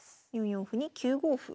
４四歩に９五歩。